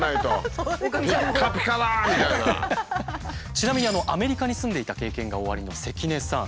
ちなみにアメリカに住んでいた経験がおありの関根さん。